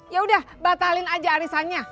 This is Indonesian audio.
yaudah batalin aja arisannya